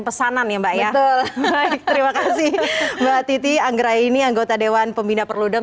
pesanan yang banyak terima kasih mbak titi anggra ini anggota dewan pembina perludem